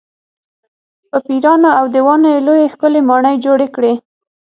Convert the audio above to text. په پېریانو او دیوانو یې لویې او ښکلې ماڼۍ جوړې کړې.